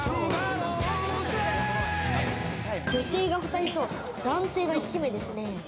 女性が２人と男性が１名ですね。